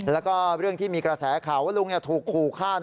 แล้วก็เรื่องที่มีกระแสข่าวว่าลุงถูกขู่ฆ่า